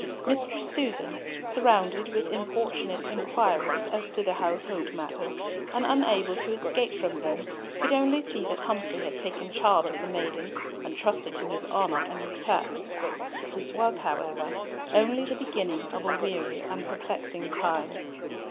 Mistress Susan, surrounded with importunate inquirers as to household matters, and unable to escape from them, could only see that Humfrey had taken charge of the maiden, and trusted to his honour and his tact. This was, however, only the beginning of a weary and perplexing time.